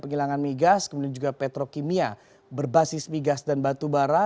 pengilangan migas kemudian juga petrokimia berbasis migas dan batubara